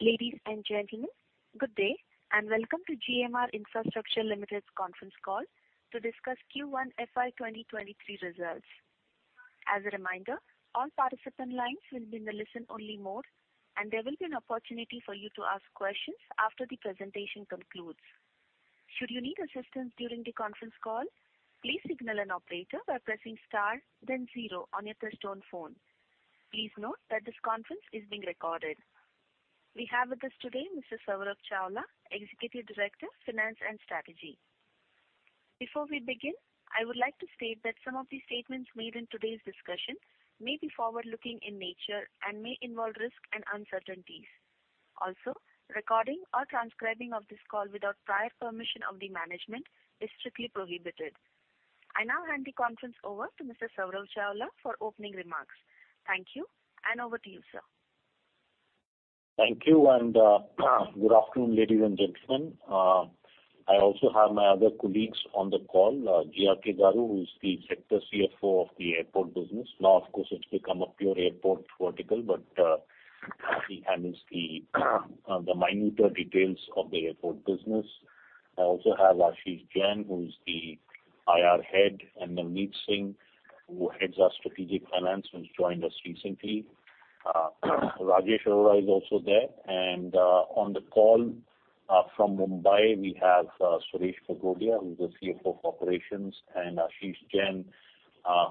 Ladies and gentlemen, good day, and welcome to GMR Airports Limited's conference call to discuss Q1 FY 2023 results. As a reminder, all participant lines will be in the listen-only mode, and there will be an opportunity for you to ask questions after the presentation concludes. Should you need assistance during the conference call, please signal an operator by pressing star then zero on your touchtone phone. Please note that this conference is being recorded. We have with us today Mr. Saurabh Chawla, Executive Director, Finance and Strategy. Before we begin, I would like to state that some of the statements made in today's discussion may be forward-looking in nature and may involve risks and uncertainties. Also, recording or transcribing of this call without prior permission of the management is strictly prohibited. I now hand the conference over to Mr. Saurabh Chawla for opening remarks. Thank you, and over to you, sir. Thank you, good afternoon, ladies and gentlemen. I also have my other colleagues on the call, G.R.K. Babu, who is the Sector CFO of the airport business. Now, of course, it's become a pure airport vertical, but he handles the minutiae details of the airport business. I also have Ashish Jain, who is the IR head, and then Nitin, who heads our strategic finance, who's joined us recently. Rajesh Arora is also there. On the call, from Mumbai, we have Suresh Bagrodia, who's the CFO of operations, and Ashish Jain,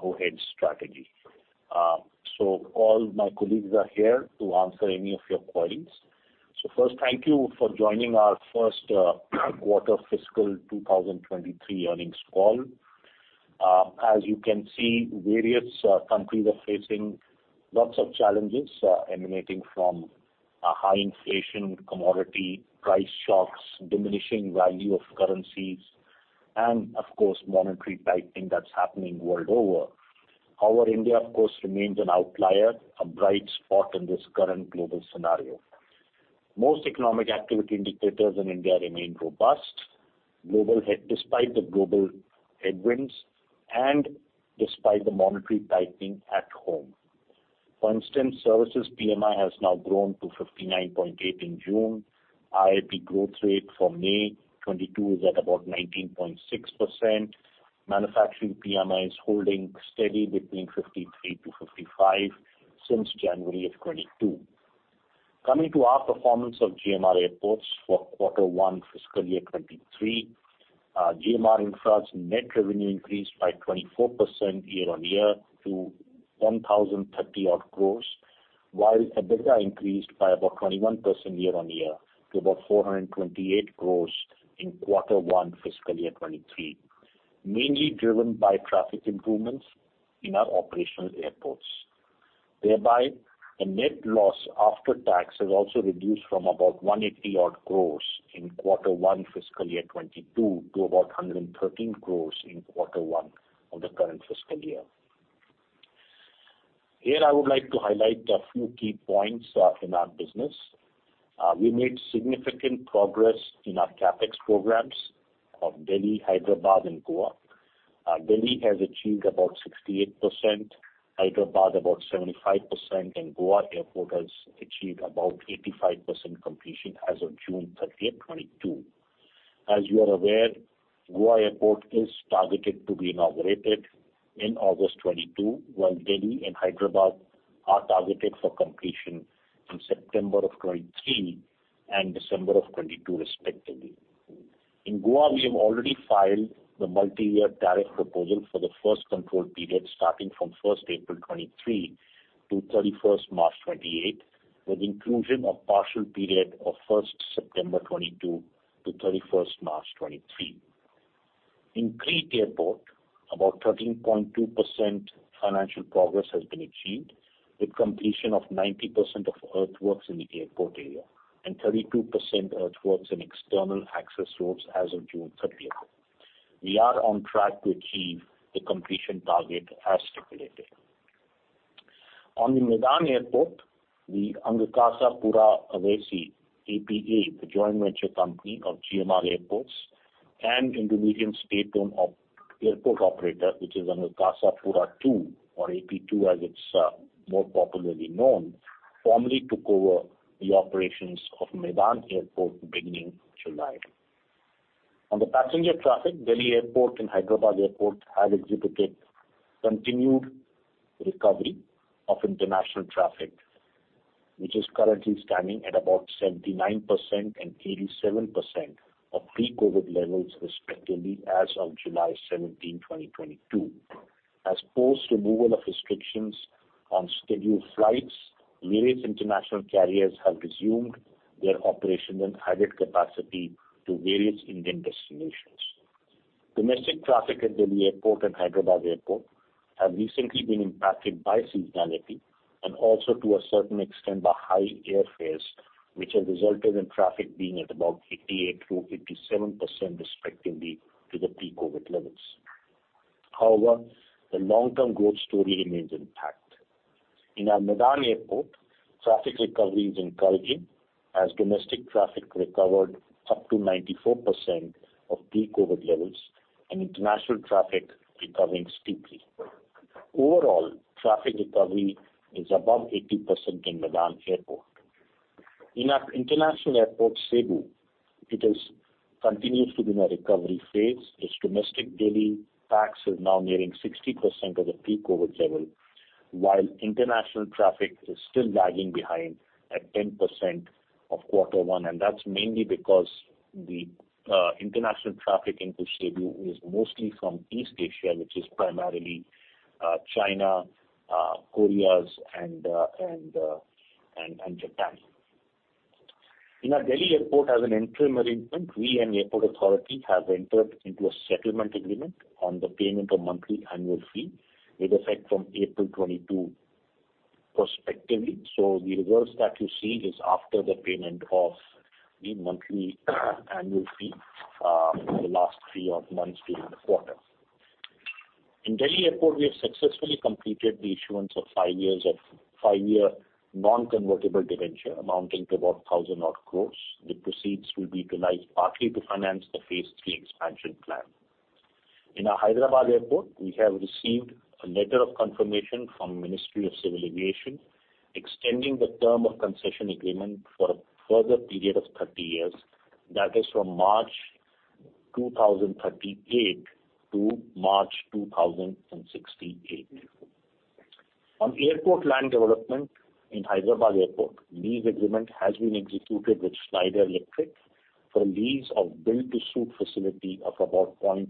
who heads strategy. All my colleagues are here to answer any of your queries. First, thank you for joining our first quarter fiscal 2023 earnings call. As you can see, various countries are facing lots of challenges emanating from high inflation, commodity price shocks, diminishing value of currencies, and of course, monetary tightening that's happening world over. However, India, of course, remains an outlier, a bright spot in this current global scenario. Most economic activity indicators in India remain robust, despite the global headwinds, and despite the monetary tightening at home. For instance, services PMI has now grown to 59.8 in June. IIP growth rate for May 2022 is at about 19.6%. Manufacturing PMI is holding steady between 53-55 since January 2022. Coming to our performance of GMR Airports for Q1 FY 2023, GMR Infra's net revenue increased by 24% year-on-year to 1,030-odd crores, while EBITDA increased by about 21% year-on-year to about 428 crores in Q1 FY 2023, mainly driven by traffic improvements in our operational airports. The net loss after tax has also reduced from about 180-odd crores in Q1 FY 2022 to about 113 crores in Q1 of the current fiscal year. Here I would like to highlight a few key points in our business. We made significant progress in our CapEx programs of Delhi, Hyderabad and Goa. Delhi has achieved about 68%, Hyderabad about 75%, and Goa Airport has achieved about 85% completion as of June 30, 2022. As you are aware, Goa Airport is targeted to be inaugurated in August 2022, while Delhi and Hyderabad are targeted for completion in September 2023 and December 2022 respectively. In Goa, we have already filed the multi-year tariff proposal for the first control period starting from April 1, 2023 to March 31, 2028, with inclusion of partial period of September 1, 2022 to March 31, 2023. In Crete Airport, about 13.2% financial progress has been achieved, with completion of 90% of earthworks in the airport area and 32% earthworks in external access roads as of June 30. We are on track to achieve the completion target as stipulated. On the Medan Airport, the Angkasa Pura Aviasi, APA, the joint venture company of GMR Airports and Indonesian state-owned airport operator, which is Angkasa Pura II, or AP2 as it's more popularly known, formally took over the operations of Medan Airport beginning July. On the passenger traffic, Delhi Airport and Hyderabad Airport have exhibited continued recovery of international traffic, which is currently standing at about 79% and 87% of pre-COVID levels respectively as of July 17, 2022. As, post removal of restrictions on scheduled flights, various international carriers have resumed their operations and added capacity to various Indian destinations. Domestic traffic at Delhi Airport and Hyderabad Airport have recently been impacted by seasonality and also to a certain extent by high airfares, which have resulted in traffic being at about 88 through 87% respectively to the pre-COVID levels. However, the long-term growth story remains intact. In our Medan Airport, traffic recovery is encouraging as domestic traffic recovered up to 94% of pre-COVID levels and international traffic recovering steeply. Our overall traffic recovery is above 80% in Mactan Airport. In our international airport, Cebu, it continues to be in a recovery phase. Its domestic daily pax is now nearing 60% of the pre-COVID level, while international traffic is still lagging behind at 10% of quarter one, and that's mainly because the international traffic into Cebu is mostly from East Asia, which is primarily China, Koreas and Japan. In our Delhi Airport as an interim arrangement, we and Airports Authority of India have entered into a settlement agreement on the payment of monthly rental fee with effect from April 2022 prospectively. The results that you see is after the payment of the monthly annuity fee for the last three-odd months during the quarter. In Delhi Airport, we have successfully completed the issuance of five-year non-convertible debenture amounting to about 1,000 crores. The proceeds will be utilized partly to finance the phase three expansion plan. In our Hyderabad Airport, we have received a letter of confirmation from Ministry of Civil Aviation, extending the term of concession agreement for a further period of 30 years, that is from March 2038 to March 2068. On airport land development in Hyderabad Airport, lease agreement has been executed with Schneider Electric for a lease of build-to-suit facility of about 0.38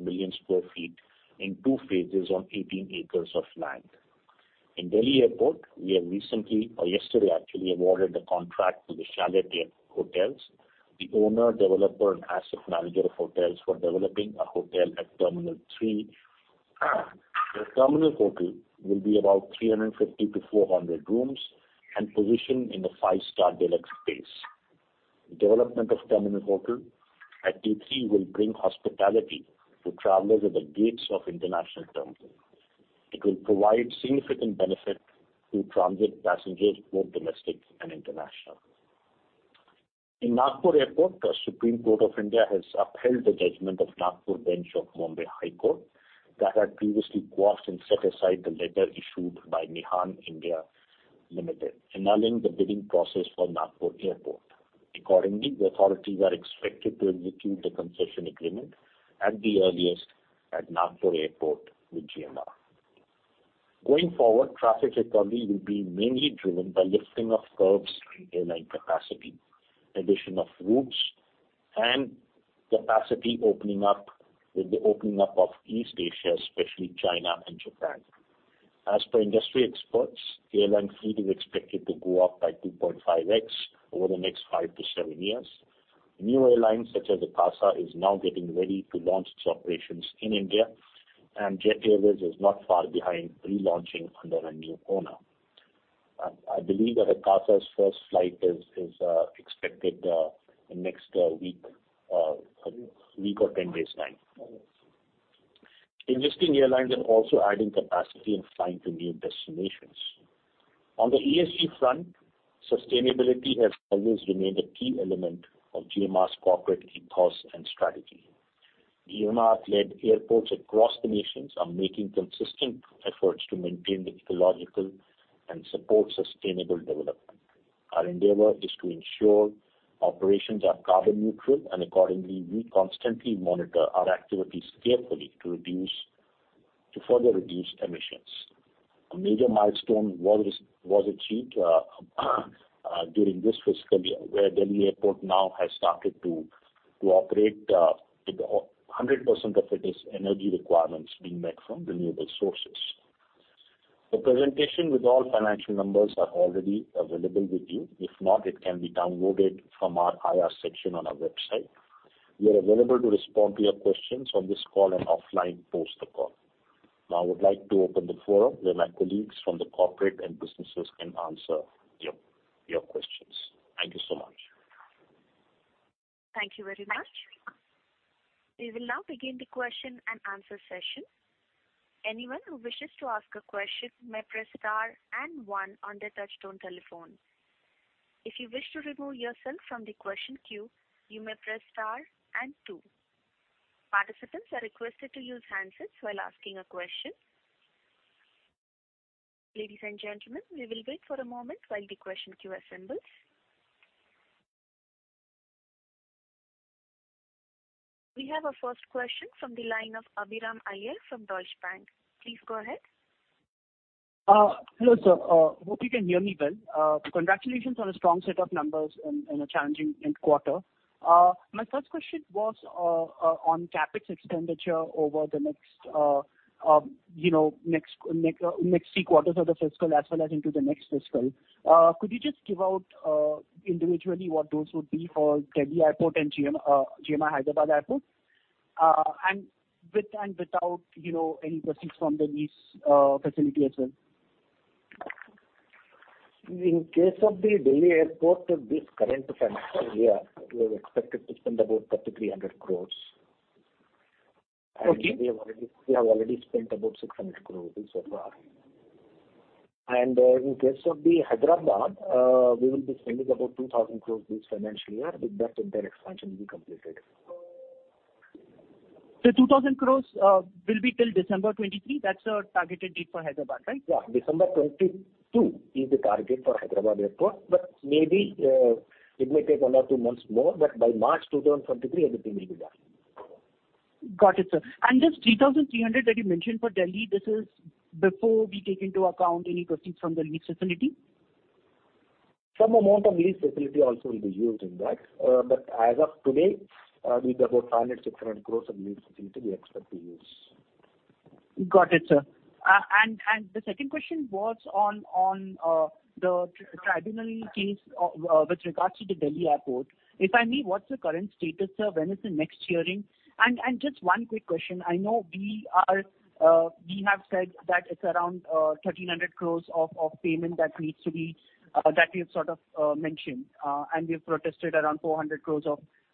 million sq ft in two phases on 18 acres of land. In Delhi Airport, we have recently or yesterday actually awarded the contract to the Chalet Hotels, the owner, developer, and asset manager of hotels, for developing a hotel at terminal three. The terminal hotel will be about 350-400 rooms and positioned in the five-star deluxe space. Development of terminal hotel at T3 will bring hospitality to travelers at the gates of international terminal. It will provide significant benefit to transit passengers, both domestic and international. In Nagpur Airport, the Supreme Court of India has upheld the judgment of Nagpur Bench of Bombay High Court that had previously quashed and set aside the letter issued by MIHAN India Limited, annulling the bidding process for Nagpur Airport. Accordingly, the authorities are expected to execute the concession agreement at the earliest at Nagpur Airport with GMR. Going forward, traffic recovery will be mainly driven by lifting of curbs in airline capacity, addition of routes and capacity opening up with the opening up of East Asia, especially China and Japan. As per industry experts, airline fleet is expected to go up by 2.5x over the next five to seven years. New airlines such as Akasa is now getting ready to launch its operations in India, and Jet Airways is not far behind relaunching under a new owner. I believe that Akasa's first flight is expected in next week or 10 days' time. Existing airlines are also adding capacity and flying to new destinations. On the ESG front, sustainability has always remained a key element of GMR's corporate ethos and strategy. GMR-led airports across the nations are making consistent efforts to maintain the ecology and support sustainable development. Our endeavor is to ensure operations are carbon neutral, and accordingly, we constantly monitor our activities carefully to further reduce emissions. A major milestone was achieved during this fiscal year, where Delhi Airport now has started to operate with 100% of its energy requirements being met from renewable sources. The presentation with all financial numbers are already available with you. If not, it can be downloaded from our IR section on our website. We are available to respond to your questions on this call and offline post the call. Now I would like to open the forum where my colleagues from the corporate and businesses can answer your questions. Thank you so much. Thank you very much. We will now begin the question-and-answer session. Anyone who wishes to ask a question may press star and one on their touchtone telephone. If you wish to remove yourself from the question queue, you may press star and two. Participants are requested to use handsets while asking a question. Ladies and gentlemen, we will wait for a moment while the question queue assembles. We have our first question from the line of Abhiram Iyer from Deutsche Bank. Please go ahead. Hello, sir. Hope you can hear me well. Congratulations on a strong set of numbers in a challenging quarter. My first question was on CapEx expenditure over the next, you know, next three quarters of the fiscal as well as into the next fiscal. Could you just give out individually what those would be for Delhi Airport and GMR Hyderabad Airport? With and without, you know, any proceeds from the lease facility as well. In case of the Delhi Airport, this current financial year, we are expected to spend about 3,300 crores. Okay. We have already spent about 600 crore so far. In case of the Hyderabad, we will be spending about 2,000 crore this financial year with that entire expansion will be completed. The 2,000 crore will be till December 2023. That's our targeted date for Hyderabad, right? Yeah, December 2022 is the target for Hyderabad Airport, but maybe it may take one or two months more, but by March 2023, everything will be done. Got it, sir. This 3,300 that you mentioned for Delhi, this is before we take into account any proceeds from the lease facility? Some amount of lease facility also will be used in that. As of today, with about 500-600 crores of lease facility we expect to use. Got it, sir. The second question was on the tribunal case with regards to the Delhi airport. If I may, what's the current status, sir? When is the next hearing? Just one quick question. I know we have said that it's around 1,300 crore of payment that needs to be that we have sort of mentioned, and we have protested around 400 crore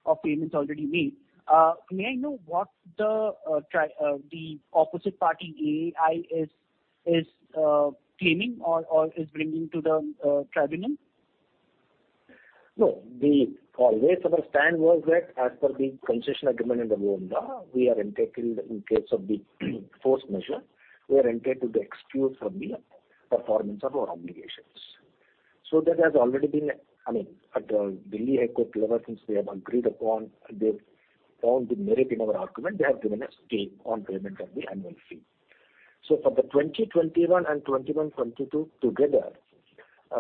of payments already made. May I know what the opposite party, AAI is claiming or is bringing to the tribunal? No. Our always stand was that as per the concession agreement in the OMDA, we are entitled in case of the force majeure. We are entitled to excuse from the performance of our obligations. That has already been, I mean, at the Delhi High Court level, since they have agreed upon, they found the merit in our argument, they have given a stay on payment of the annual fee. For the 2021 and 2021, 2022 together,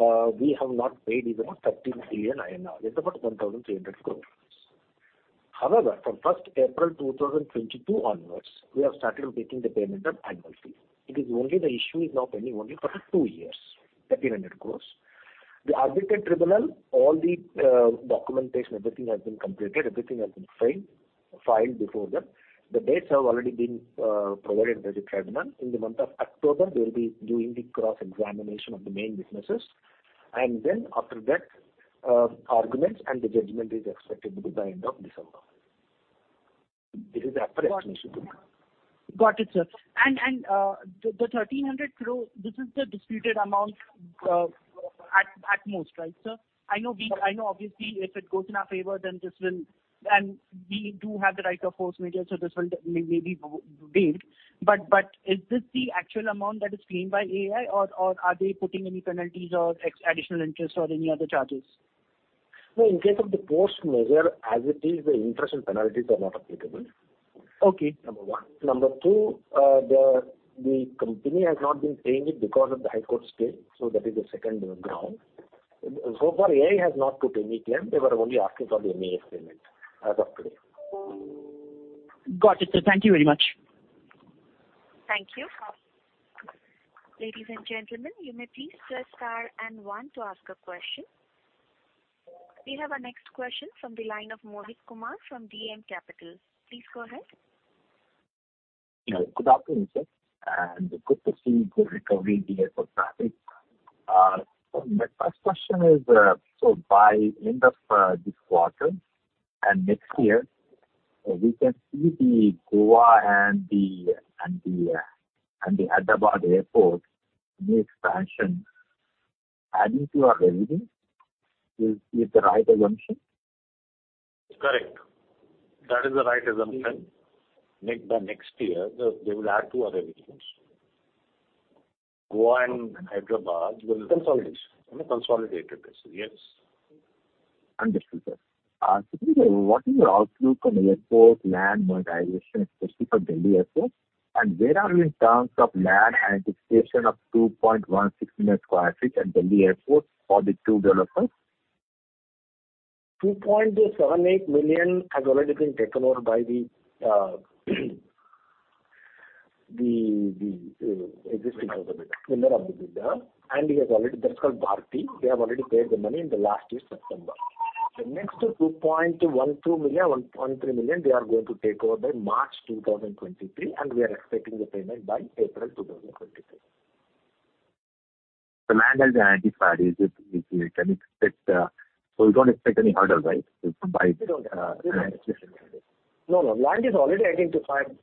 we have not paid is about 13 billion INR. It's about 1,300 crores. However, from April 1, 2022 onwards, we have started making the payment of annual fee. It is only the issue is now pending only for the two years, INR 1,300 crores. The arbitration tribunal, all the documentation, everything has been completed, everything has been filed before them. The dates have already been provided by the tribunal. In the month of October, they will be doing the cross-examination of the main businesses. After that, arguments and the judgment is expected by end of December. This is as per estimation. Got it, sir. The 1,300 crore, this is the disputed amount, at most, right, sir? I know obviously if it goes in our favor, then this may be waived. We do have the right of force majeure, so this will. Is this the actual amount that is claimed by AAI or are they putting any penalties or additional interest or any other charges? No, in case of the force majeure, as it is, the interest and penalties are not applicable. Okay. Number one. Number two, the company has not been paying it because of the High Court stay, that is the second ground. So far, AAI has not put any claim. They were only asking for the MAF payment as of today. Got it, sir. Thank you very much. Thank you. Ladies and gentlemen, you may please press star and one to ask a question. We have our next question from the line of Mohit Kumar from DAM Capital. Please go ahead. Yeah, good afternoon, sir, and good to see good recovery here for traffic. My first question is, by end of this quarter and next year, we can see the Goa and the Hyderabad Airport new expansion adding to our revenues. Is the right assumption? Correct. That is the right assumption. By next year, they will add to our revenues. Goa and Hyderabad will. Consolidate. In a consolidated basis, yes. Understood, sir. Secondly, what is your outlook on airport land monetization, especially for Delhi Airport? Where are you in terms of land anticipation of 2.16 million sq ft at Delhi Airport for the two developments? 2.78 million has already been taken over by the existing owner, winner of the bid. He has already. That's called Bharti Realty. They have already paid the money in the last year, September. The next 2.12 million, 1.3 million, they are going to take over by March 2023, and we are expecting the payment by April 2023. The land has been identified. You don't expect any hurdle, right, to buy land at this point in time? We don't. No. Land is already identified.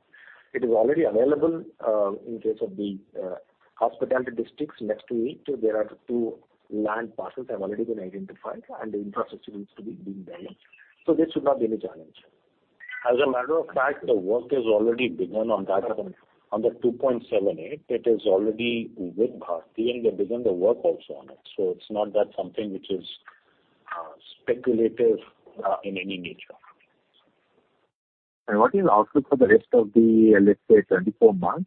It is already available, in case of the, hospitality districts next to it. There are two land parcels have already been identified and the infrastructure needs to be being developed. So there should not be any challenge. As a matter of fact, the work has already begun on that on 2.78. It is already with Bharti Realty, and they've begun the work also on it. So it's not that something which is, speculative, in any nature. What is the outlook for the rest of the, let's say, 24 months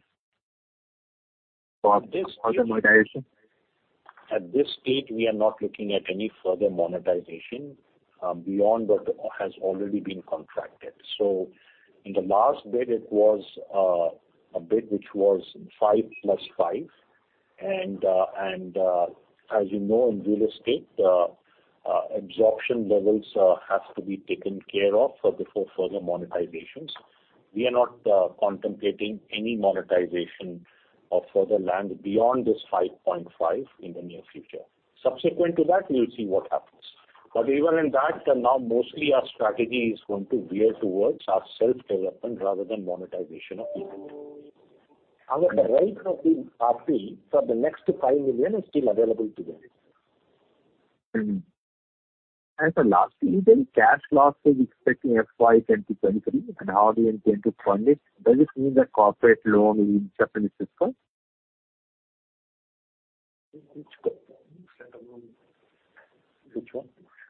for further monetization? At this stage, we are not looking at any further monetization beyond what has already been contracted. In the last bid, it was a bid which was 5 + 5. As you know, in real estate, absorption levels have to be taken care of before further monetizations. We are not contemplating any monetization of further land beyond this 5.5 in the near future. Subsequent to that, we will see what happens. Even in that, now mostly our strategy is going to veer towards our self-development rather than monetization of the land. The right of the ROFR for the next 5 million is still available to them. Mm-hmm. Lastly, is any cash losses expected in FY 2023 and how do you intend to fund it? Does it mean that corporate loan will be tapped in this fiscal?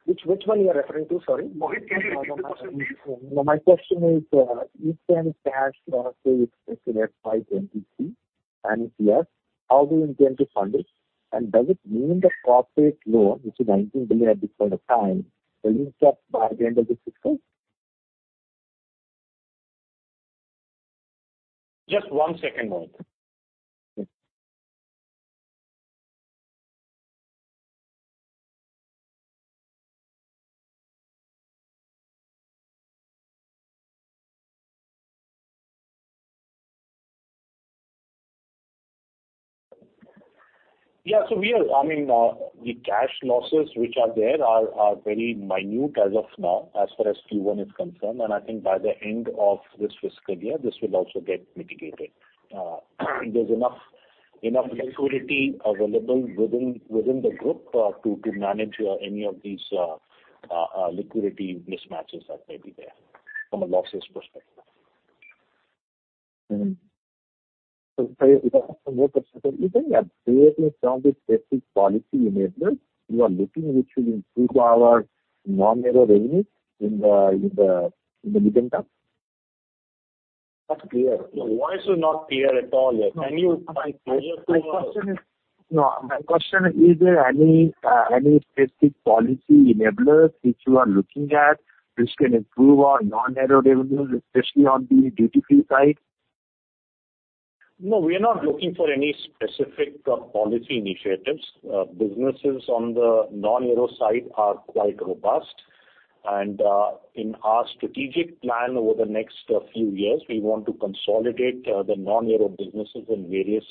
Which one are you referring to? Sorry. Can you repeat the question, please? No, my question is any cash losses expected in FY 2023? If yes, how do you intend to fund it? Does it mean the corporate loan, which is 19 billion at this point of time, will you tap by the end of this fiscal? Just one second, Mohit. Yeah. I mean, the cash losses which are there are very minute as of now, as far as Q1 is concerned, and I think by the end of this fiscal year, this will also get mitigated. There's enough liquidity available within the group to manage any of these liquidity mismatches that may be there from a losses perspective. Mm-hmm. Sir, if I ask some more questions on this end. Are there any specific policy enablers you are looking which will improve our non-aero revenues in the medium term? No. Why so not clear at all? Can you My question, is there any specific policy enablers which you are looking at which can improve our non-aero revenues, especially on the duty-free side? No, we are not looking for any specific policy initiatives. Businesses on the non-aero side are quite robust. In our strategic plan over the next few years, we want to consolidate the non-aero businesses in various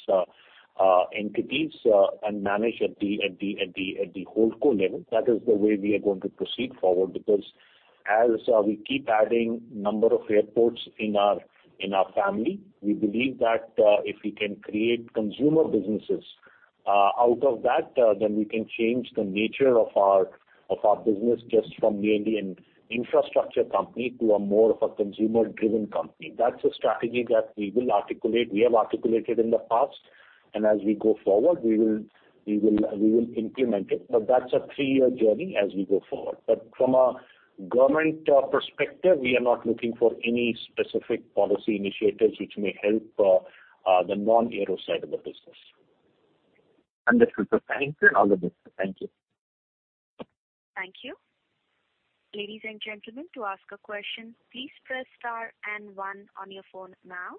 entities and manage at the Holdco level. That is the way we are going to proceed forward because as we keep adding number of airports in our family, we believe that if we can create consumer businesses out of that, then we can change the nature of our business just from mainly an infrastructure company to a more of a consumer-driven company. That's a strategy that we will articulate. We have articulated in the past, and as we go forward, we will implement it. That's a three-year journey as we go forward. From a government perspective, we are not looking for any specific policy initiatives which may help the non-aero side of the business. Understood, sir. Thank you. I'll leave it. Thank you. Thank you. Ladies and gentlemen, to ask a question, please press star and one on your phone now.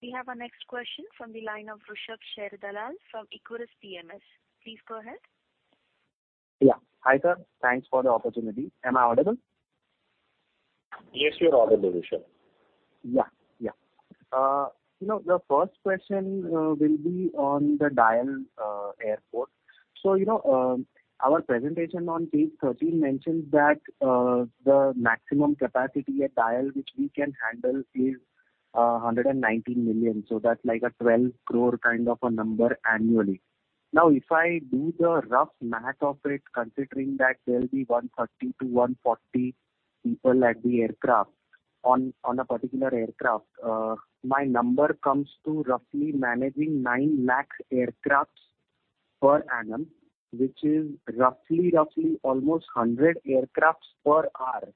We have our next question from the line of Rushabh Sharedalal from Equirus PMS. Please go ahead. Yeah. Hi, sir. Thanks for the opportunity. Am I audible? Yes, you are audible, Rushabh. You know, the first question will be on the DIAL Airport. Our presentation on page 13 mentions that the maximum capacity at DIAL which we can handle is 190 million. That's like a 12 crore kind of a number annually. Now, if I do the rough math of it, considering that there will be 130-140 people on a particular aircraft, my number comes to roughly managing 90 max aircrafts per annum, which is roughly almost 100 aircrafts per hour.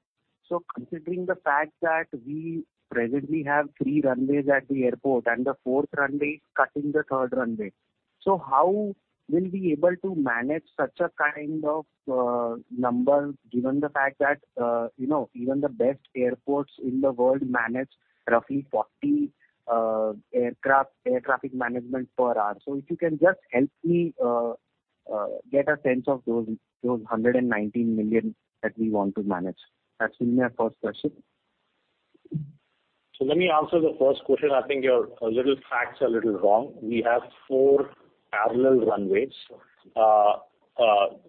Considering the fact that we presently have three runways at the airport and the 4th runway is crossing the 3rd runway. How will we able to manage such a kind of number, given the fact that, you know, even the best airports in the world manage roughly 40 aircraft air traffic management per hour. If you can just help me get a sense of those 119 million that we want to manage. That's been my first question. Let me answer the first question. I think your little facts are a little wrong. We have four parallel runways.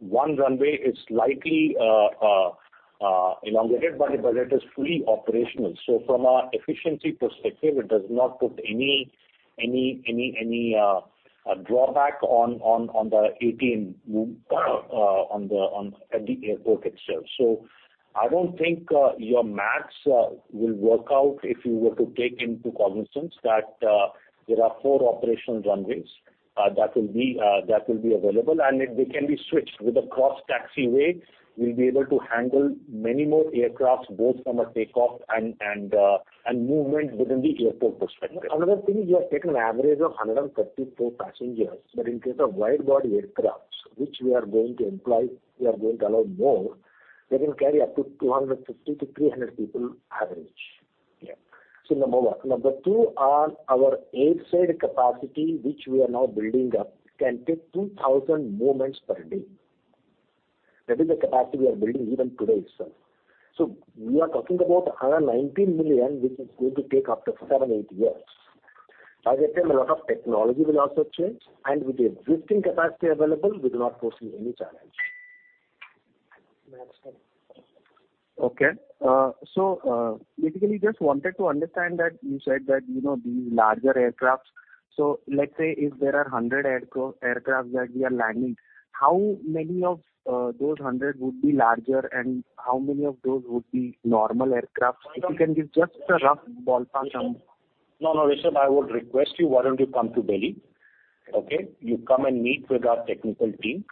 One runway is slightly elongated, but it is fully operational. From an efficiency perspective, it does not put any drawback on the ATM at the airport itself. I don't think your math will work out if you were to take into cognizance that there are four operational runways that will be available, and they can be switched. With the cross taxiway, we'll be able to handle many more aircraft, both from a takeoff and movement within the airport perspective. Another thing is you have taken an average of 134 passengers, but in case of wide-body aircraft, which we are going to employ, we are going to allow more, they can carry up to 250-300 people average. Yeah. Number one. Number two on our airside capacity, which we are now building up, can take 2,000 movements per day. That is the capacity we are building even today itself. We are talking about a 119 million, which is going to take up to 7-8 years. By that time, a lot of technology will also change, and with the existing capacity available, we do not foresee any challenge. Okay. Basically just wanted to understand that you said that, you know, these larger aircrafts. Let's say if there are 100 aircraft that we are landing, how many of those 100 would be larger and how many of those would be normal aircraft? No, no. If you can give just a rough ballpark number? No, no, Rushabh, I would request you, why don't you come to Delhi? Okay? You come and meet with our technical team,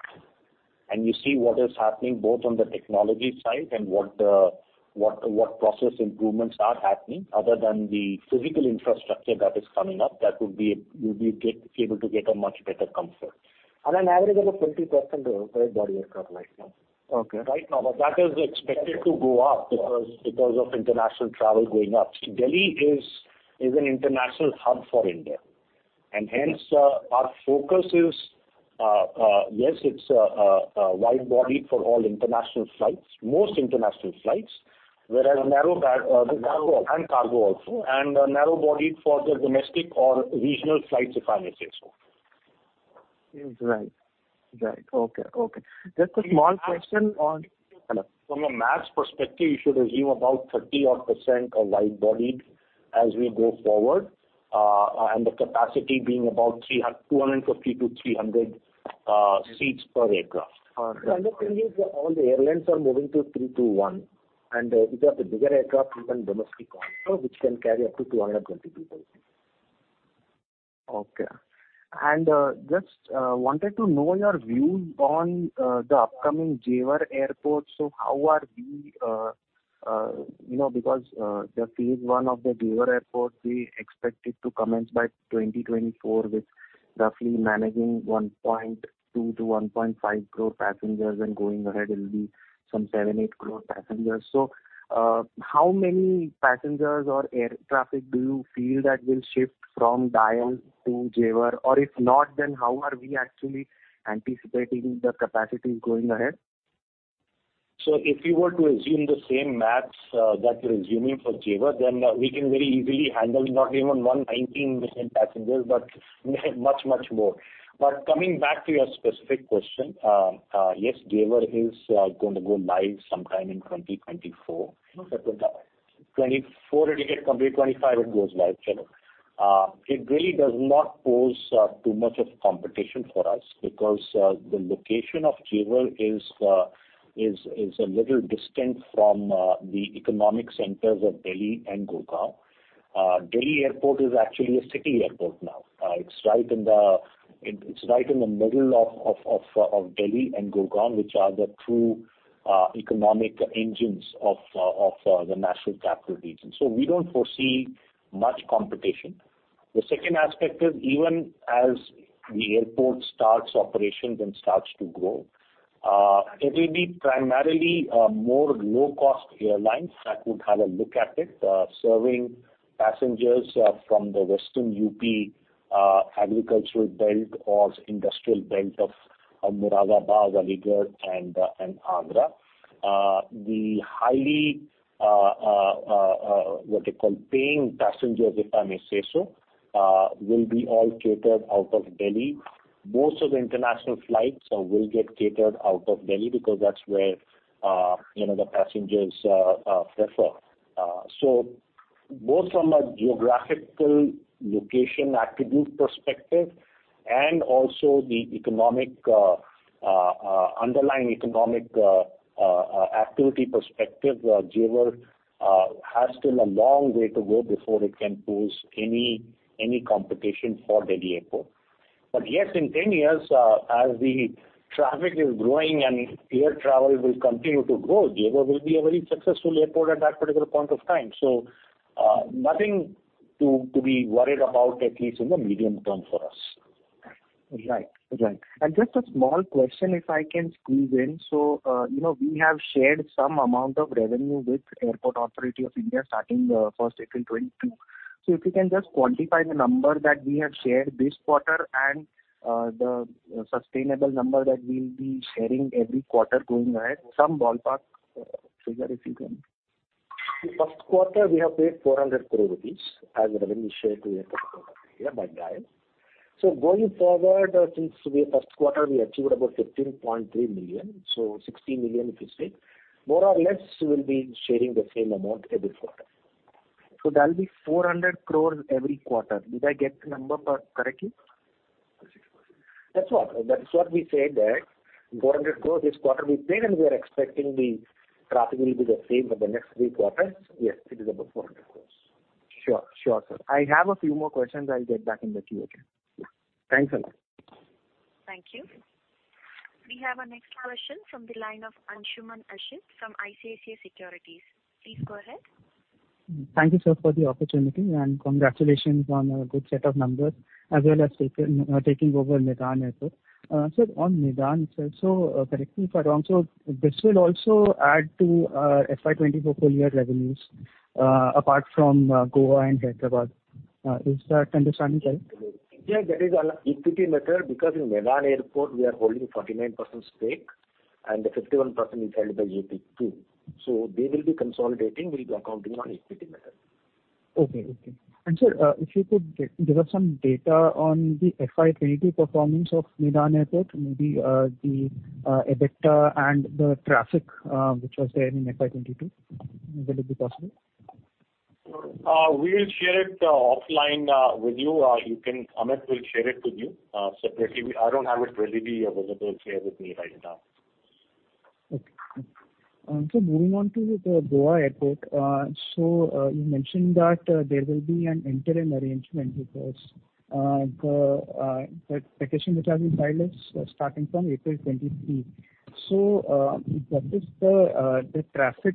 and you see what is happening both on the technology side and what process improvements are happening other than the physical infrastructure that is coming up. You'll be able to get a much better comfort. On an average, there are 20% wide-body aircraft right now. Okay. Right now. That is expected to go up because of international travel going up. Delhi is an international hub for India. Hence, our focus is yes, it's a wide body for all international flights, most international flights, whereas narrow bod- Cargo. Cargo also. Narrow-body for the domestic or regional flights, if I may say so. Right. Okay. Just a small question on. From a math perspective, you should assume about 30-odd% are wide-bodied as we go forward, and the capacity being about 250-300 seats per aircraft. All right. Currently all the airlines are moving to A321, and we've got the bigger aircraft even domestic also, which can carry up to 220 people. Okay. Just wanted to know your views on the upcoming Jewar Airport. How are we, you know, because the phase one of the Jewar Airport, we expect it to commence by 2024, with roughly managing 1.2-1.5 crore passengers, and going ahead it'll be some 7-8 crore passengers. How many passengers or air traffic do you feel that will shift from DIAL to Jewar? Or if not, then how are we actually anticipating the capacities going ahead? If you were to assume the same math that you're assuming for Jewar, then we can very easily handle not even 119 million passengers, but much, much more. Coming back to your specific question, yes, Jewar is going to go live sometime in 2024. No, sir, 20- 2024 it'll get complete. 2025 it goes live. Sure, no. It really does not pose too much of competition for us because the location of Jewar is a little distant from the economic centers of Delhi and Gurgaon. Delhi Airport is actually a city airport now. It's right in the middle of Delhi and Gurgaon, which are the true economic engines of the National Capital Region. We don't foresee much competition. The second aspect is even as the airport starts operations and starts to grow, it will be primarily more low-cost airlines that would have a look at it, serving passengers from the Western UP agricultural belt or industrial belt of Moradabad, Aligarh, and Agra. The high-yield paying passengers, if I may say so, will be all catered out of Delhi. Most of the international flights will get catered out of Delhi because that's where, you know, the passengers prefer. Both from a geographical location attribute perspective and also the economic underlying economic activity perspective, Jewar has still a long way to go before it can pose any competition for Delhi Airport. Yes, in 10 years, as the traffic is growing and air travel will continue to grow, Jewar will be a very successful airport at that particular point of time. Nothing to be worried about, at least in the medium term for us. Right. Just a small question, if I can squeeze in. You know, we have shared some amount of revenue with Airports Authority of India starting first April 2022. If you can just quantify the number that we have shared this quarter and the sustainable number that we'll be sharing every quarter going ahead. Some ballpark figure, if you can. The first quarter we have paid 400 crore rupees as revenue share to Airports Authority of India by DIAL. Going forward, since first quarter we achieved about 15.3 million, 16 million if you state, more or less we'll be sharing the same amount every quarter. That'll be 400 crore every quarter. Did I get the number part correctly? That is what we said that INR 400 crore this quarter we paid, and we are expecting the traffic will be the same for the next three quarters. Yes, it is about 400 crore. Sure. Sure, sir. I have a few more questions. I'll get back in the queue again. Yeah. Thanks a lot. Thank you. We have our next question from the line of Anshuman Ashit from ICICI Securities. Please go ahead. Thank you, sir, for the opportunity, and congratulations on a good set of numbers as well as taking over Medan Airport. Sir, on Medan, sir, so correct me if I'm wrong, so this will also add to FY 2024 full year revenues, apart from Goa and Hyderabad. Is that understanding correct? Yeah, that is an equity method because in Medan Airport we are holding 49% stake. The 51% is held by AP II. They will be consolidating with accounting on equity method. Okay. Sir, if you could give us some data on the FY 2022 performance of Medan Airport, maybe the EBITDA and the traffic which was there in FY 2022. Will it be possible? We will share it offline with you. Amit will share it with you separately. I don't have it readily available here with me right now. Okay. Moving on to the Goa Airport. You mentioned that there will be an interim arrangement because the petition which has been filed is starting from April 2023. What is the traffic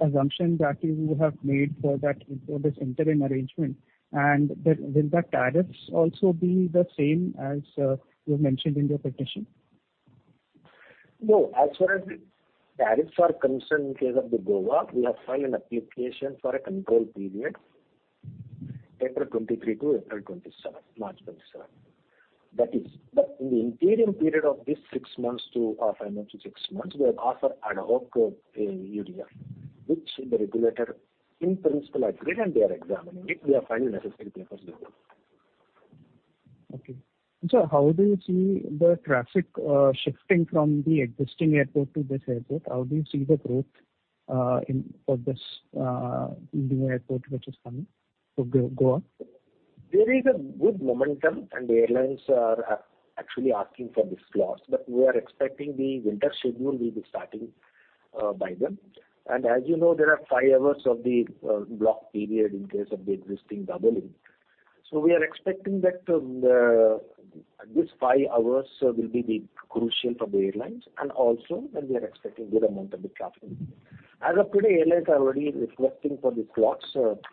assumption that you would have made for that, for this interim arrangement? Then will the tariffs also be the same as you mentioned in your petition? No. As far as the tariffs are concerned in case of the Goa, we have filed an application for a control period April 2023 to April 2027, March 2027. That is. In the interim period of this five months to six months, we have offered ad hoc UDF, which the regulator in principle agreed and they are examining it. We are filing necessary papers with them. How do you see the traffic shifting from the existing airport to this airport? How do you see the growth in store for this new airport which is coming to Goa? There is a good momentum, and the airlines are actually asking for the slots. We are expecting the winter schedule will be starting by them. As you know, there are five hours of the block period in case of the existing doubling. We are expecting that this five hours will be the crucial for the airlines and also that we are expecting good amount of the traffic. As of today, airlines are already requesting for the slots,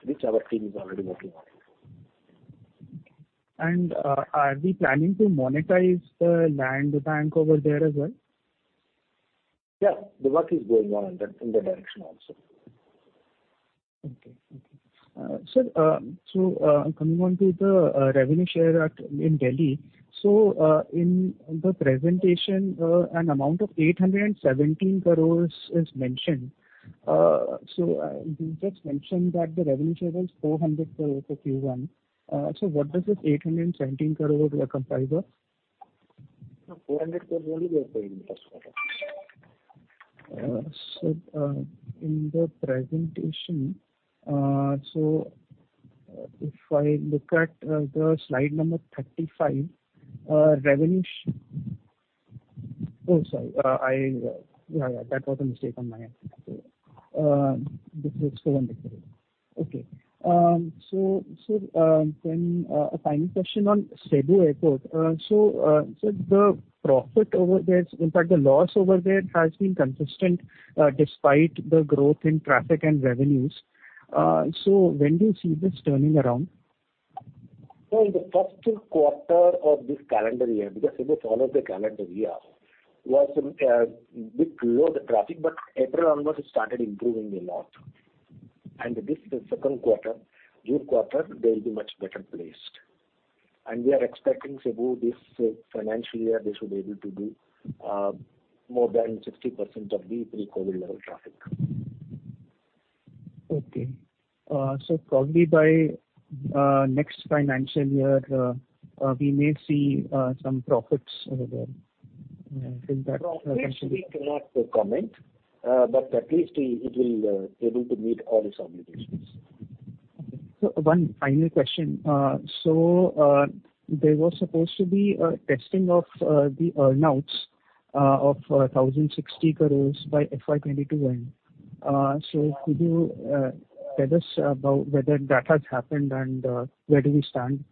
which our team is already working on. Are we planning to monetize the land bank over there as well? Yeah. The work is going on in the direction also. Okay. Sir, coming on to the revenue share in Delhi. In the presentation, an amount of 817 crore is mentioned. You just mentioned that the revenue share was 400 crore for Q1. What does this 817 crore were comprised of? No, 400 crores only we are paying in the first quarter. In the presentation, if I look at the slide number 35. Oh, sorry. Yeah. That was a mistake on my end. This is INR 400 crore. Okay. A final question on Cebu Airport. The profit over there, in fact, the loss over there has been consistent despite the growth in traffic and revenues. When do you see this turning around? In the first quarter of this calendar year, because Cebu follows the calendar year, was a bit below the traffic, but April onwards it started improving a lot. This, the second quarter, June quarter, they'll be much better placed. We are expecting Cebu this financial year they should be able to do more than 60% of the pre-COVID level traffic. Okay. Probably by next financial year, we may see some profits over there. Is that- Profits we cannot comment, but at least it will be able to meet all its obligations. Okay. One final question. There was supposed to be a testing of the earnouts of 1,060 crores by FY 2022 end. Could you tell us about whether that has happened and where do we stand?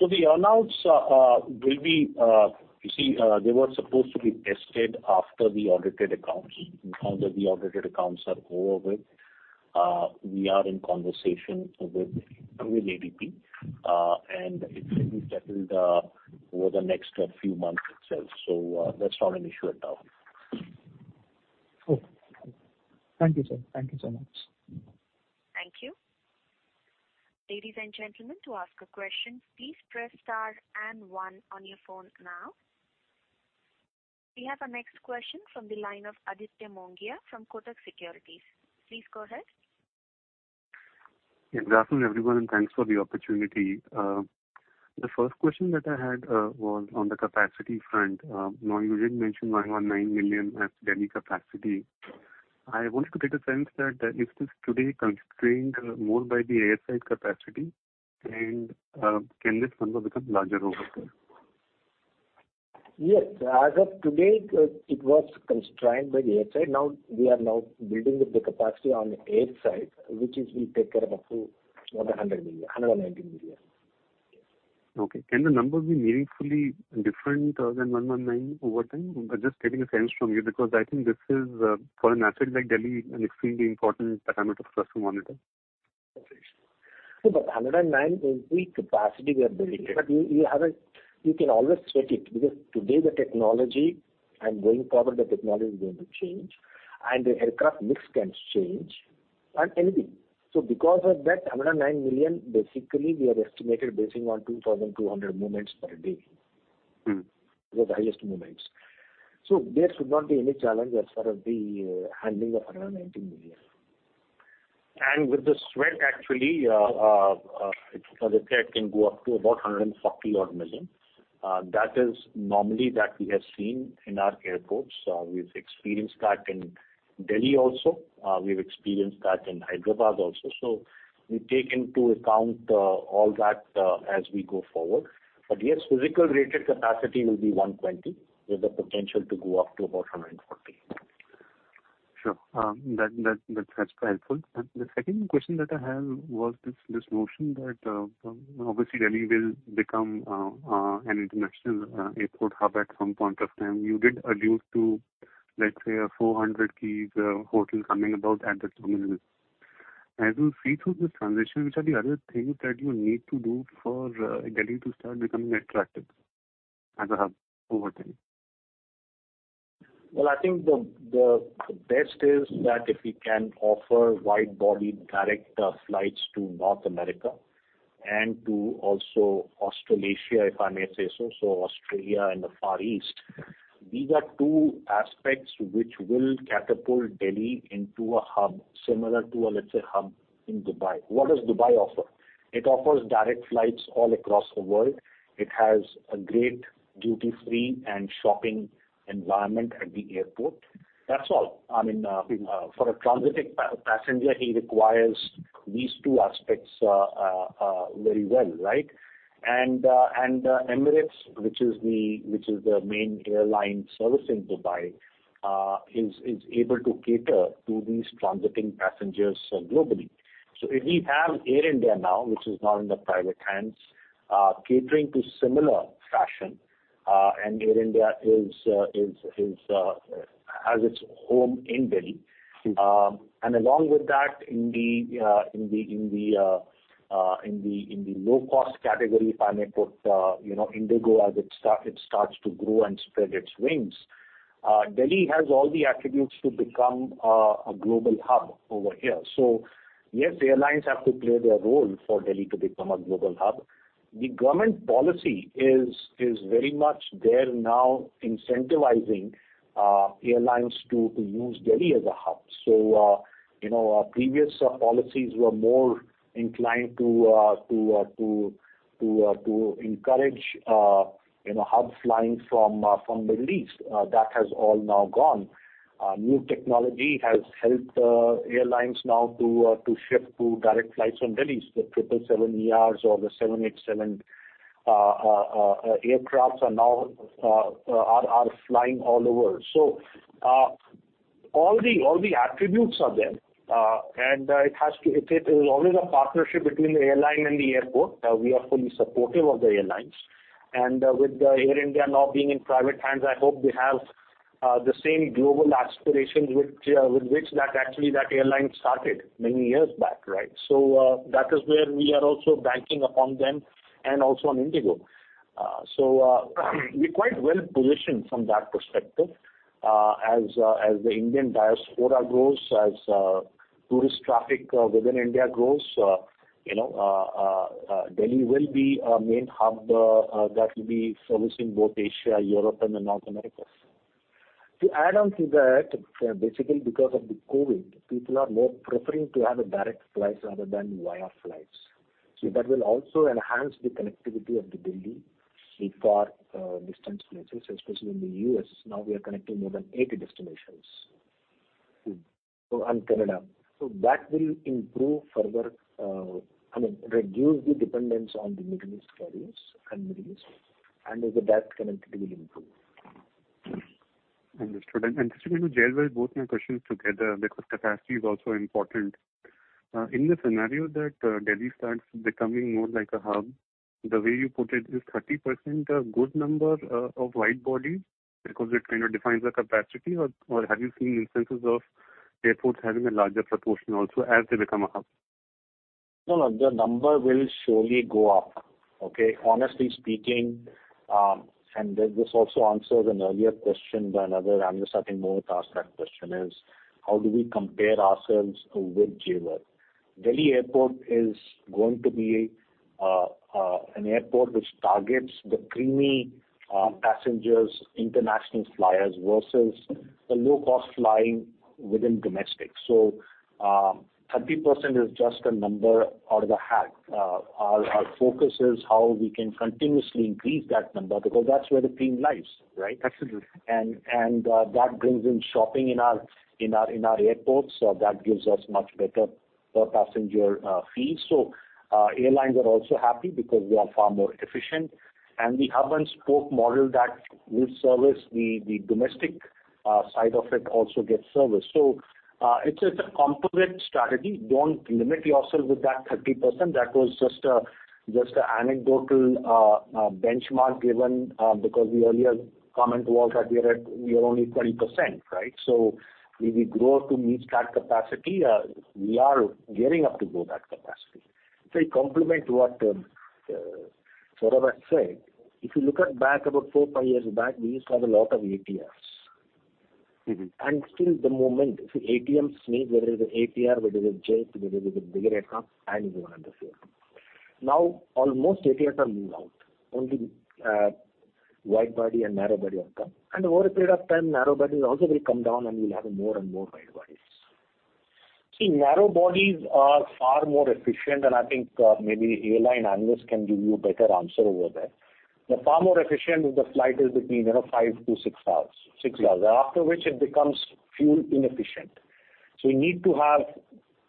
The earnouts will be. You see, they were supposed to be tested after the audited accounts. Now that the audited accounts are over with, we are in conversation with ADP, and it will be settled over the next few months itself. That's not an issue at all. Cool. Thank you, sir. Thank you so much. Thank you. Ladies and gentlemen, to ask a question, please press star and one on your phone now. We have our next question from the line of Aditya Mongia from Kotak Securities. Please go ahead. Yeah. Good afternoon, everyone, and thanks for the opportunity. The first question that I had was on the capacity front. Now you did mention 109 million as Delhi capacity. I wanted to get a sense that is this today constrained more by the air side capacity, and can this number become larger over time? Yes. As of today, it was constrained by the air side. Now we are building the capacity on the air side, which is we take care of a full 100 million, 190 million. Okay. Can the numbers be meaningfully different than 109 over time? I'm just getting a sense from you because I think this is, for an asset like Delhi, an extremely important parameter for us to monitor. The 109 is the capacity we are building. You can always stretch it because today the technology and going forward the technology is going to change and the aircraft mix can change and anything. Because of that 109 million, basically we have estimated based on 2,200 movements per day. The highest movements. There should not be any challenge as far as the handling of 190 million. Without sweat actually, the tech can go up to about 140-odd million. That is normally what we have seen in our airports. We've experienced that in Delhi also. We've experienced that in Hyderabad also. We take into account all that as we go forward. Yes, physical rated capacity will be 120, with the potential to go up to about 140. Sure. That's helpful. The second question that I have was this notion that, obviously Delhi will become an international airport hub at some point of time. You did allude to, let's say, a 400 keys hotel coming about at this moment. As you see through this transition, which are the other things that you need to do for Delhi to start becoming attractive as a hub over time? Well, I think the best is that if we can offer wide-body direct flights to North America and to also Australasia, if I may say so Australia and the Far East. These are two aspects which will catapult Delhi into a hub similar to, let's say, a hub in Dubai. What does Dubai offer? It offers direct flights all across the world. It has a great duty-free and shopping environment at the airport. That's all. I mean, for a transiting passenger, he requires these two aspects, very well, right? Emirates, which is the main airline servicing Dubai, is able to cater to these transiting passengers globally. If we have Air India now, which is now in the private hands, catering to similar fashion, and Air India has its home in Delhi. Along with that, in the low-cost category, if I may put, you know, IndiGo as it starts to grow and spread its wings, Delhi has all the attributes to become a global hub over here. Yes, airlines have to play their role for Delhi to become a global hub. The government policy is very much there now incentivizing airlines to use Delhi as a hub. You know, previous policies were more inclined to encourage hubs flying from the Middle East. That has all now gone. New technology has helped airlines now to shift to direct flights from Delhi. The 777ERs or the 787 aircraft are now flying all over. All the attributes are there. It is always a partnership between the airline and the airport. We are fully supportive of the airlines. With Air India now being in private hands, I hope they have the same global aspirations with which that actually airline started many years back, right? That is where we are also banking upon them and also on IndiGo. We're quite well-positioned from that perspective. As the Indian diaspora grows, as tourist traffic within India grows, you know, Delhi will be a main hub that will be servicing both Asia, Europe and North America. To add on to that, basically because of the COVID, people are more preferring to have a direct flight rather than via flights. That will also enhance the connectivity of Delhi for distant places, especially in the U.S. Now we are connecting more than 80 destinations. Canada. That will improve further, I mean, reduce the dependence on the Middle East carriers and Middle East, and with that connectivity will improve. Understood. Just to kind of gel both my questions together, because capacity is also important. In the scenario that Delhi starts becoming more like a hub, the way you put it, is 30% a good number of wide-body because it kind of defines the capacity? Or have you seen instances of airports having a larger proportion also as they become a hub? No. The number will surely go up. Okay? Honestly speaking, this also answers an earlier question by another analyst. I think Mohit asked that question is, how do we compare ourselves with Jewar? Delhi Airport is going to be an airport which targets the creamy passengers, international flyers versus the low-cost flying within domestic. 30% is just a number out of the hat. Our focus is how we can continuously increase that number because that's where the cream lies, right? Absolutely. That brings in shopping in our airports. That gives us much better per passenger fees. Airlines are also happy because we are far more efficient. The hub and spoke model that will service the domestic side of it also gets serviced. It's a composite strategy. Don't limit yourself with that 30%. That was just an anecdotal benchmark given because the earlier comment was that we are at only 20%, right? We will grow to meet that capacity. We are gearing up to grow that capacity. It complement what. For that sake, if you look back about 4-5 years back, we used to have a lot of ATRs. Mm-hmm. Still the moment if the ATMs need, whether it's ATR, whether it's a jet, whether it's a bigger aircraft and even another 4. Now, almost ATRs are moved out. Only wide-body and narrow-body have come. Over a period of time, narrow-bodies also will come down, and we'll have more and more wide-bodies. See, narrow-bodies are far more efficient, and I think, maybe airline analyst can give you a better answer over there. They're far more efficient if the flight is between, you know, 5-6 hours, 6 hours. After which it becomes fuel inefficient. We need to have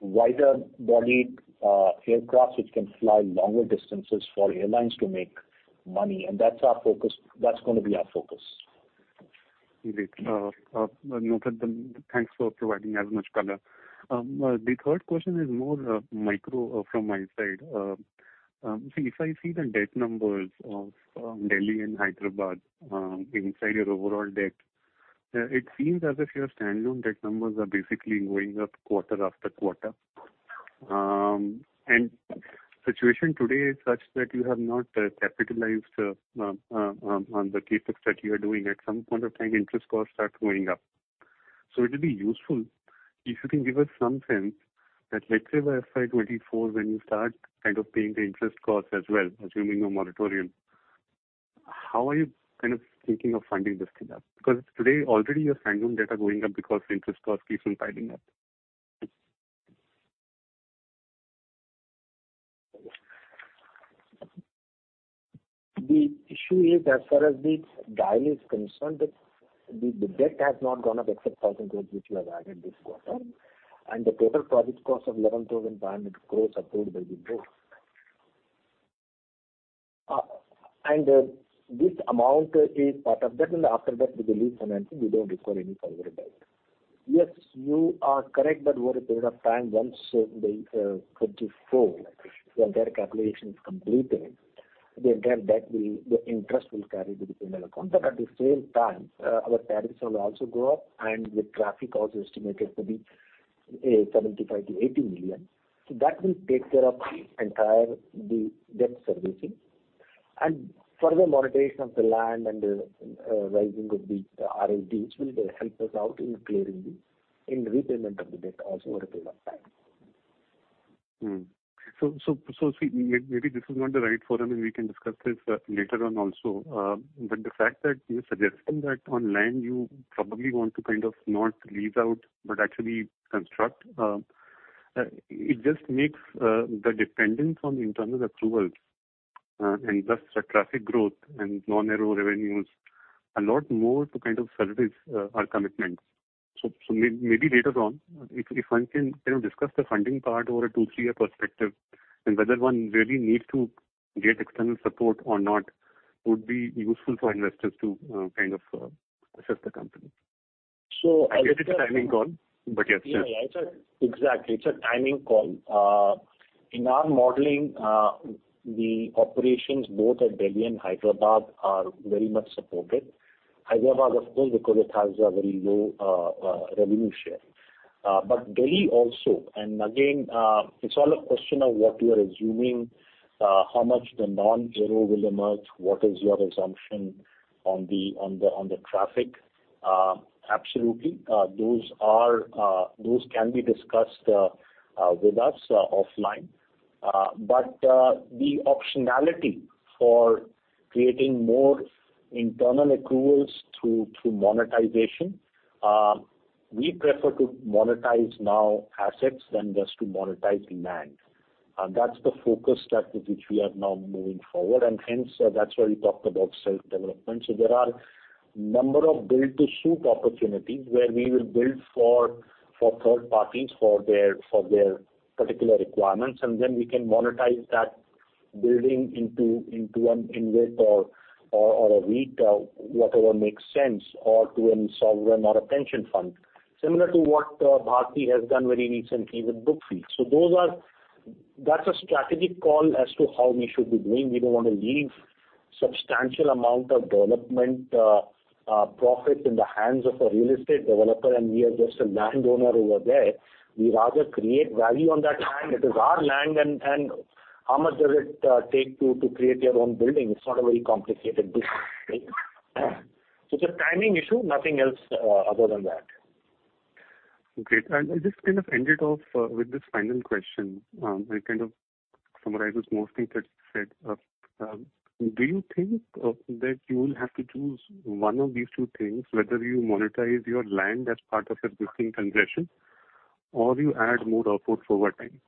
wider-bodied aircraft which can fly longer distances for airlines to make money, and that's our focus. That's gonna be our focus. Noted then. Thanks for providing as much color. The third question is more micro from my side. If I see the debt numbers of Delhi and Hyderabad inside your overall debt, it seems as if your standalone debt numbers are basically going up quarter after quarter. Situation today is such that you have not capitalized on the CapEx that you are doing. At some point of time, interest costs start going up. It would be useful if you can give us some sense that let's say by FY 2024 when you start kind of paying the interest costs as well, assuming no moratorium, how are you kind of thinking of funding this thing up? Because today already your standalone debt are going up because interest costs keep on piling up. The issue is, as far as the deal is concerned, the debt has not gone up except 1,000 crores which we have added this quarter. The total project cost of 11,500 crores approved by the board. This amount is part of that, and after that we will lease financing, we don't require any further debt. Yes, you are correct that over a period of time, once the 2024, the entire calculation is completed, the entire debt will the interest will carry to the P&L account. At the same time, our tariffs will also go up and with traffic also estimated to be 75-80 million. That will take care of the entire debt servicing. Further monetization of the land and rising of the RIDF which will help us out in repayment of the debt also over a period of time. Maybe this is not the right forum, and we can discuss this later on also. But the fact that you're suggesting that on land you probably want to kind of not lease out but actually construct, it just makes the dependence on internal accruals and thus the traffic growth and non-aero revenues a lot more to kind of service our commitment. Maybe later on if one can, you know, discuss the funding part over a 2-3-year perspective and whether one really needs to get external support or not would be useful for investors to kind of assess the company. So- I get it's a timing call, but yes. Yeah, exactly, it's a timing call. In our modeling, the operations both at Delhi and Hyderabad are very much supported. Hyderabad of course because it has a very low revenue share. But Delhi also. It's all a question of what you are assuming, how much the non-aero will emerge, what is your assumption on the traffic. Absolutely, those can be discussed with us offline. The optionality for creating more internal accruals through monetization, we prefer to monetize non-assets than just to monetize land. That's the focus which we are now moving forward. Hence, that's why we talked about self-development. There are number of build-to-suit opportunities where we will build for third parties for their particular requirements, and then we can monetize that building into an InvIT or a REIT, whatever makes sense, or to a sovereign or a pension fund. Similar to what Bharti has done very recently with Brookfield. Those are. That's a strategic call as to how we should be doing. We don't want to leave substantial amount of development profits in the hands of a real estate developer and we are just a landowner over there. We'd rather create value on that land. It is our land and how much does it take to create your own building? It's not a very complicated business, right? It's a timing issue, nothing else, other than that. Okay. I'll just kind of end it off with this final question. It kind of summarizes most things that you said. Do you think that you will have to choose one of these two things, whether you monetize your land as part of existing concession or you add more airports over time?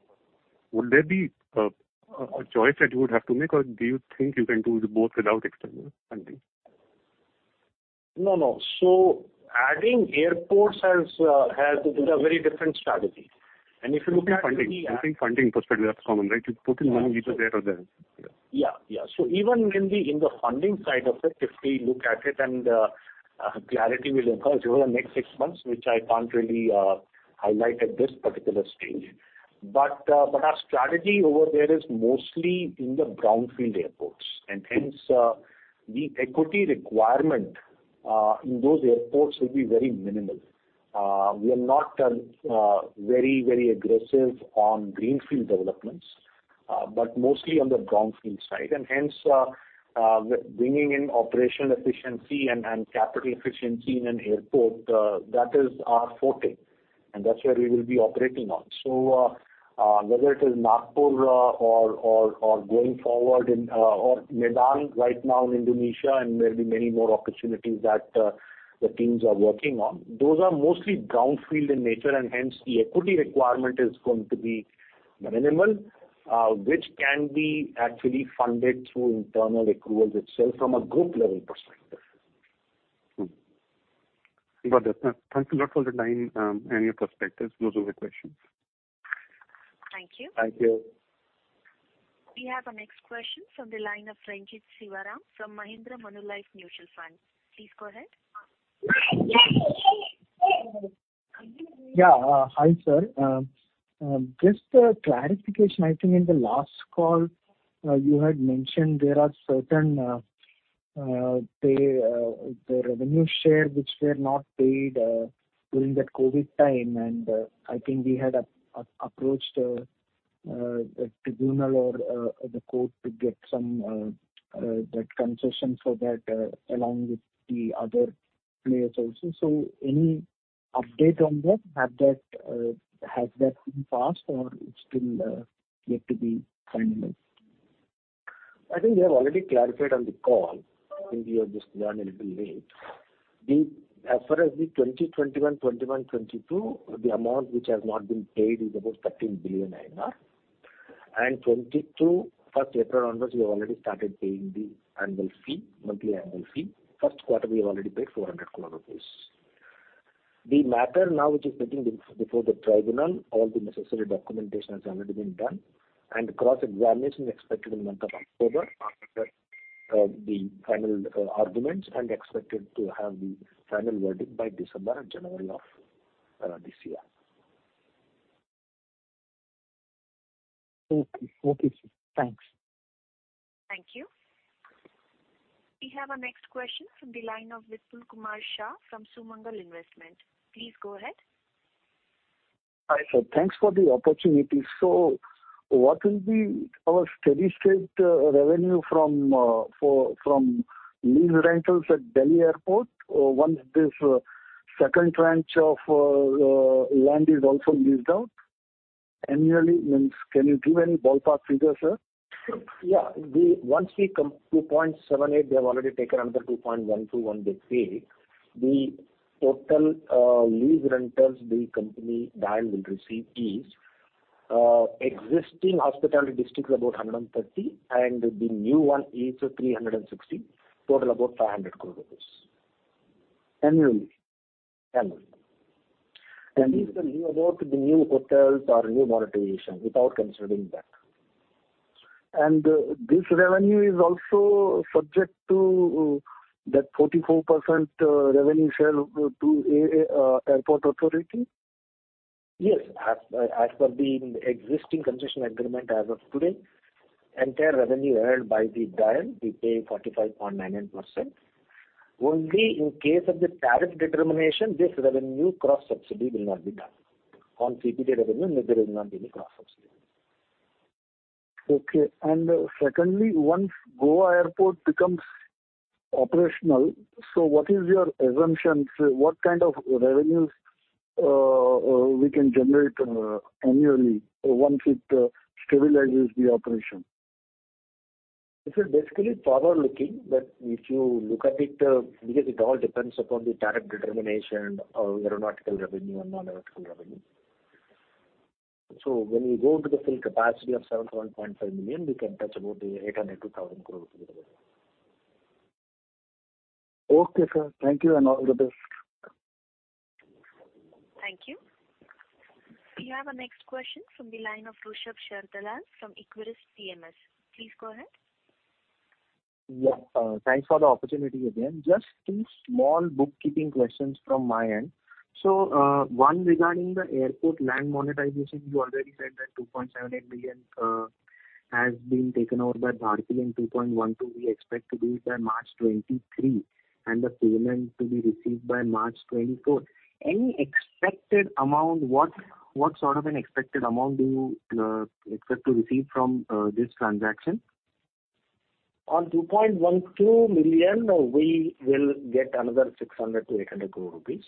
Would there be a choice that you would have to make, or do you think you can do both without external funding? No, no. Adding airports has. It is a very different strategy. And if you look at- I think funding perspective that's common, right? You're putting money either there or there. Yeah, yeah. So even in the funding side of it, if we look at it and clarity will emerge over the next six months, which I can't really highlight at this particular stage. But our strategy over there is mostly in the brownfield airports and hence the equity requirement in those airports will be very minimal. We are not very aggressive on greenfield developments, but mostly on the brownfield side. Hence bringing in operational efficiency and capital efficiency in an airport that is our forte, and that's where we will be operating on. Whether it is Nagpur or, going forward, in Medan right now in Indonesia and there'll be many more opportunities that the teams are working on. Those are mostly brownfield in nature, and hence the equity requirement is going to be minimal, which can be actually funded through internal accruals itself from a group level perspective. Got it. Thank you a lot for the time, and your perspectives. Those are the questions. Thank you. Thank you. We have our next question from the line of Renjith Sivaram from Mahindra Manulife Mutual Fund. Please go ahead. Yeah. Hi, sir. Just a clarification. I think in the last call, you had mentioned there are certain payments of the revenue share which were not paid during that COVID time. I think we had approached the tribunal or the court to get some concession for that along with the other players also. Any update on that? Has that been passed or is it still yet to be finalized? I think we have already clarified on the call. Maybe you have just joined a little late. As far as the 2021-2022, the amount which has not been paid is about 13 billion INR. 2022, 1 April onwards, we have already started paying the annual fee, monthly annual fee. First quarter we have already paid 400 crore rupees. The matter now which is sitting before the tribunal, all the necessary documentation has already been done. Cross-examination expected in the month of October after the final arguments, and expected to have the final verdict by December or January of this year. Okay. Okay, sir. Thanks. Thank you. We have our next question from the line of Vipul Kumar Shah from Sumangal Investment. Please go ahead. Hi, sir. Thanks for the opportunity. What will be our steady state revenue from lease rentals at Delhi Airport once this second tranche of land is also leased out annually? Means can you give any ballpark figure, sir? Yeah. Once we come to 0.78, they have already taken another 2.121 they pay. The total lease rentals the company DIAL will receive is existing hospitality district is about 130, and the new one is 360. Total about 500 crore rupees. Annually? Annually. And- This is about the new hotels or new monetization without considering that. This revenue is also subject to that 44% revenue share to a Airports Authority? Yes. As per the existing concession agreement as of today, entire revenue earned by the DIAL, we pay 45.99%. Only in case of the tariff determination, this revenue cross-subsidy will not be done. On CP3 revenue, there will not be any cross-subsidy. Okay. Secondly, once Goa Airport becomes operational, so what is your assumptions? What kind of revenues we can generate annually once it stabilizes the operation. This is basically forward-looking, but if you look at it, because it all depends upon the tariff determination of aeronautical revenue and non-aeronautical revenue. When we go to the full capacity of 7 to 1.5 million, we can touch about the 800 crore-1,000 crore revenue. Okay, sir. Thank you, and all the best. Thank you. We have our next question from the line of Rushabh Sharedalal from Equirus PMS. Please go ahead. Yeah. Thanks for the opportunity again. Just two small bookkeeping questions from my end. One regarding the airport land monetization, you already said that 2.78 billion has been taken over by Bharti. 2.12 billion we expect to do it by March 2023, and the payment to be received by March 2024. Any expected amount? What sort of an expected amount do you expect to receive from this transaction? On 2.12 million, we will get another 600-800 crore rupees,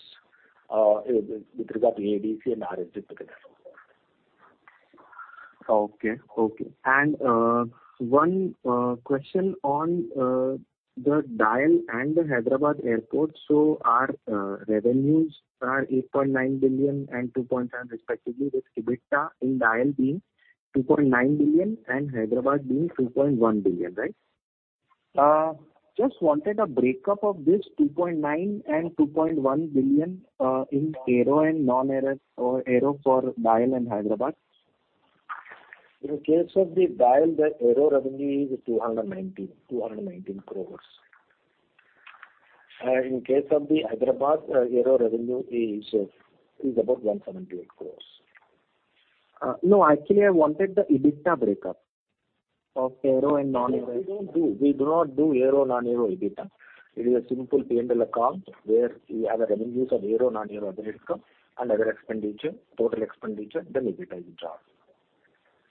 with regard to ADC and RSG put together. One question on the DIAL and the Hyderabad Airport. Our revenues are 8.9 billion and 2.5 billion respectively, with EBITDA in DIAL being 2.9 billion and Hyderabad being 2.1 billion, right? Just wanted a breakdown of this 2.9 billion and 2.1 billion in aero and non-aero or aero for DIAL and Hyderabad. In case of the DIAL, the aero revenue is 219 crores. In case of the Hyderabad, aero revenue is about 178 crores. No, actually I wanted the EBITDA breakup of aero and non-aero. We do not do aero, non-aero EBITDA. It is a simple P&L account where we have the revenues of aero, non-aero, other income, and other expenditure, total expenditure, then EBITDA is out.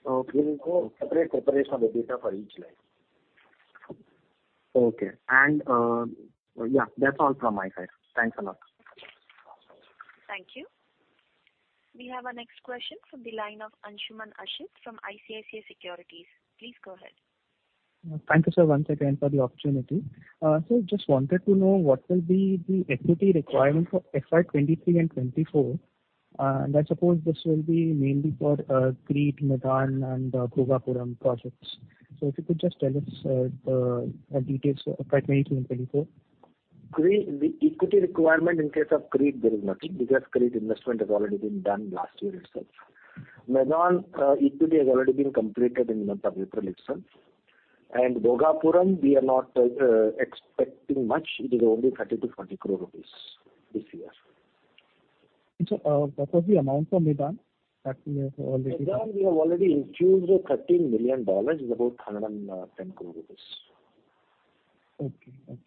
Okay. We will do a separate preparation of EBITDA for each line. Okay. Yeah, that's all from my side. Thanks a lot. Thank you. We have our next question from the line of Anshuman Ashit from ICICI Securities. Please go ahead. Thank you, sir. Once again for the opportunity. Just wanted to know what will be the equity requirement for FY 2023 and 2024. I suppose this will be mainly for Crete, Medan, and Bhogapuram projects. If you could just tell us the details for FY 2022 and 2024. Crete, the equity requirement in case of Crete, there is nothing because Crete investment has already been done last year itself. Medan, equity has already been completed in the month of April itself. Bhogapuram, we are not expecting much. It is only 30 crore-40 crore rupees this year. Sir, what was the amount for Medan that you have already- Medan, we have already infused $13 million, is about 110 crore rupees. Okay.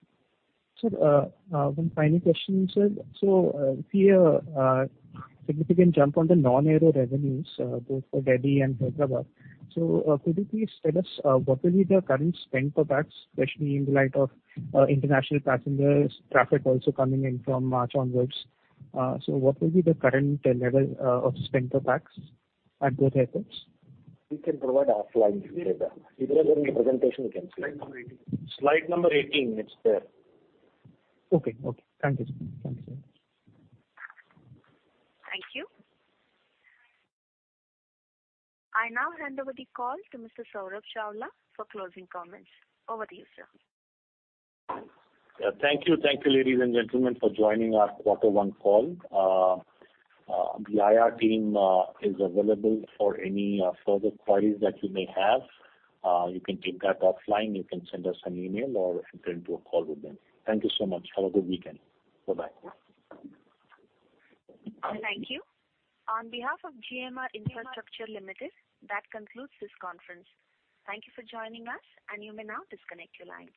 Sir, one final question, sir. Significant jump on the non-aero revenues, both for Delhi and Hyderabad. Could you please tell us what will be the current spend per pax, especially in light of international passenger traffic also coming in from March onwards. What will be the current level of spend per pax at both airports? We can provide offline detail. Hyderabad, in the presentation you can see. Slide number 18. Slide number 18, it's there. Okay. Okay. Thank you, sir. Thank you, sir. Thank you. I now hand over the call to Mr. Saurabh Chawla for closing comments. Over to you, sir. Yeah, thank you. Thank you, ladies and gentlemen, for joining our quarter one call. The IR team is available for any further queries that you may have. You can take that offline. You can send us an email or enter into a call with them. Thank you so much. Have a good weekend. Bye-bye. Thank you. On behalf of GMR Airports Limited, that concludes this conference. Thank you for joining us, and you may now disconnect your line.